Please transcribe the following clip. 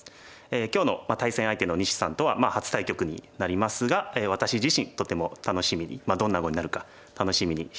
今日の対戦相手の西さんとは初対局になりますが私自身とても楽しみにどんな碁になるか楽しみにしています。